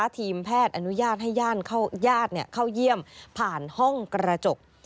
ทีมแพทย์อนุญาตให้ญาติเข้าเยี่ยมผ่านห้องกระจก